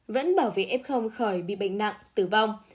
vẫn bảo vệ f khỏi bị bệnh nặng tử vong